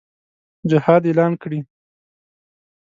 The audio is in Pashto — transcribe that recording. جهاد اعلان کړي.